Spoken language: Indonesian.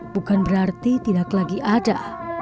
bukan berarti tidak lagi ada